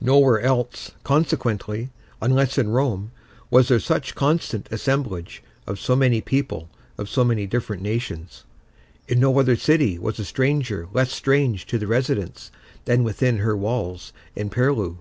Nowhere else, consequently, unless in Rome, was there such constant assemblage of so many people of so many different nations; in no other city was a stranger less strange to the residents than within her walls and purlieus.